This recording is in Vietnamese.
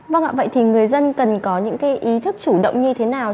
vâng ạ vậy thì người dân cần có những ý thức chủ động như thế nào